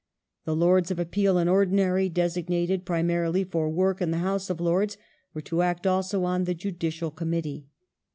^ The Lords of Appeal com ^^ in Ordinary, designated primarily for work in the House of Lords, mittee were to act also on the Judicial Committee.